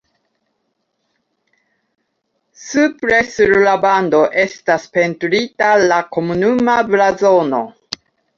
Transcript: Supre sur la vando estas pentrita la komunuma blazono.